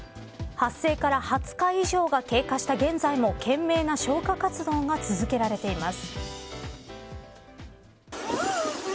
発生から２０日以上が経過した現在も懸命な消火活動が続けられています。